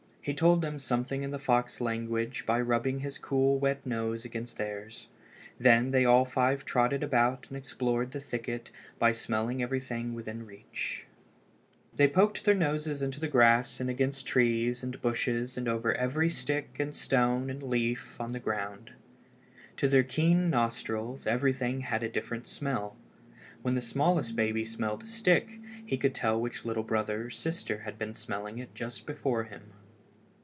He told them something in the fox language by rubbing his cool wet nose against theirs. Then they all five trotted about and explored the thicket by smelling of everything within reach. They poked their noses into the grass and against the trees and bushes and over every stick and stone and leaf on the ground. To their keen nostrils everything had a different smell. When the smallest baby smelled a stick he could tell which little brother or sister had been smelling it just before him.